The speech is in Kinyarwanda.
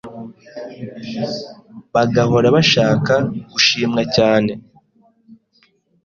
bagahora bashaka gushimwa cyane